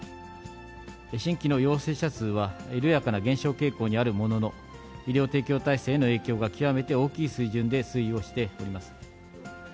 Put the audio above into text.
新規の陽性者数は、緩やかな減少傾向にあるものの、医療提供体制への影響が極めて大きい水準で推移をしております。